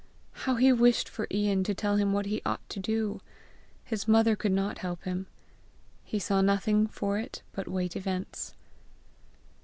How he wished for Ian to tell him what he ought to do! His mother could not help him. He saw nothing for it but wait events.